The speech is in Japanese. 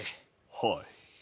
はい。